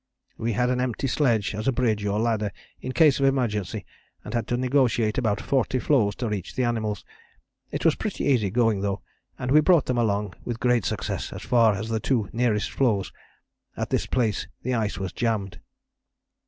We had an empty sledge as a bridge or ladder, in case of emergency, and had to negotiate about forty floes to reach the animals. It was pretty easy going, though, and we brought them along with great success as far as the two nearest floes. At this place the ice was jambed.